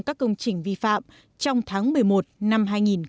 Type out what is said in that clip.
các công trình vi phạm trong tháng một mươi một năm hai nghìn một mươi chín